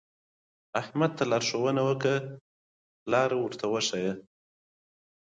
جیني کویفشینټ احصایوي انحرافاتو ته حساس دی.